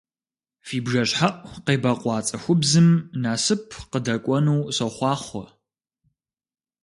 Фи бжэщхьэӀу къебэкъуа цӀыхубзым насып къыдэкӀуэну сохъуахъуэ!